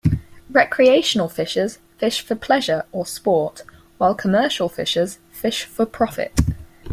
Recreational fishers fish for pleasure or sport, while commercial fishers fish for profit.